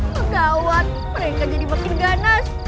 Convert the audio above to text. pegawat mereka jadi makin ganas